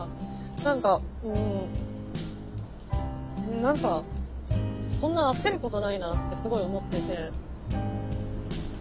何か何かそんな焦ることないなってすごい思ってて。